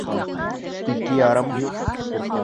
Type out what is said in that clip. Ике ярым!..